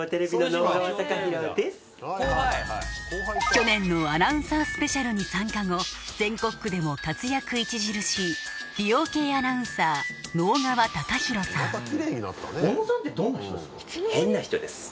去年のアナウンサースペシャルに参加後全国区でも活躍著しい美容系アナウンサーまたきれいになったね。